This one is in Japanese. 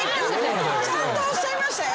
ちゃんとおっしゃいましたよ